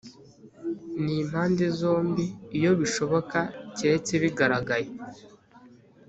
n impande zombi iyo bishoboka keretse bigaragaye